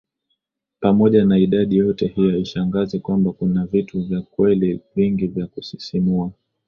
Pamoja na idadi yote hii haishangazi kwamba kuna vitu vya kweli vingi vya kusisimua